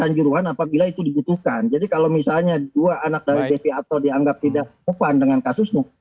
kanjuruhan apabila itu dibutuhkan jadi kalau misalnya dua anak dari defiato dianggap tidak beban dengan kasusnya